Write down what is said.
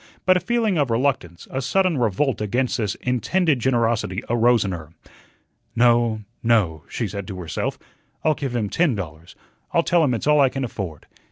But a feeling of reluctance, a sudden revolt against this intended generosity, arose in her. "No, no," she said to herself. "I'll give him ten dollars. I'll tell him it's all I can afford.